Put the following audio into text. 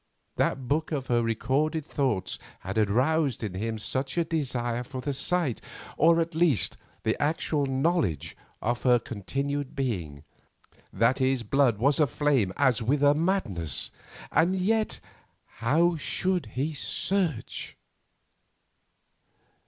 That book of her recorded thoughts had aroused in him such a desire for the sight, or at least the actual knowledge of her continued being, that his blood was aflame as with a madness. And yet how should he search?